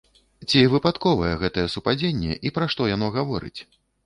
Ці выпадковае гэтае супадзенне і пра што яно гаворыць?